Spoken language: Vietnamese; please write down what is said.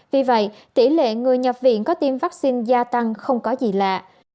vì vậy tỷ lệ người nhập viện có tiêm vaccine gia tăng không có gì lạ